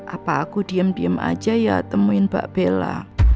apa aku diem diem aja ya temuin mbak bella